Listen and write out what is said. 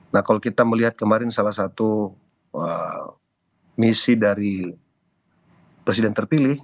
nah kalau kita melihat kemarin salah satu misi dari presiden terpilih